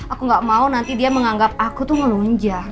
aku gak mau nanti dia menganggap aku tuh melunja